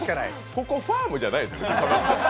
ここ、ファームじゃないですから。